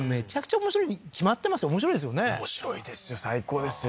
面白いですよ最高ですよ